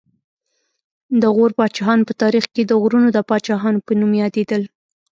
د غور پاچاهان په تاریخ کې د غرونو د پاچاهانو په نوم یادېدل